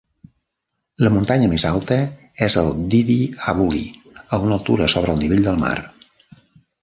La muntanya més alta és el Didi Abuli, a una altura sobre el nivell del mar.